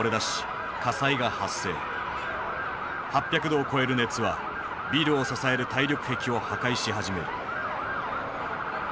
８００度を超える熱はビルを支える耐力壁を破壊し始める。